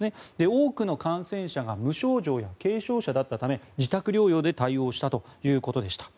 多くの感染者が無症状や軽症者だったため自宅療養で対応したということでした。